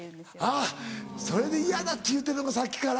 あっそれで「嫌だ」って言うてるのかさっきから。